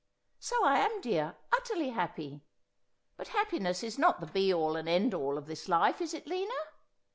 ' So I am, dear, utterly happy. But happiness is not the be all and end all of this life, is it, Lina